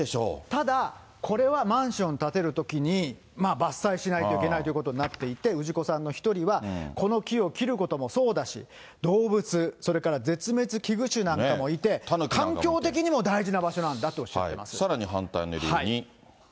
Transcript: ただ、これはマンション建てるときに、伐採しないといけないということになっていて、氏子さんの１人は、この木を切ることもそうだし、動物、それから絶滅危惧種なんかもいて、環境的にも大事な場所なんだとおさらに反対の理由に。